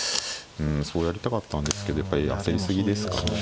うんそうやりたかったんですけどやっぱり焦り過ぎですかね。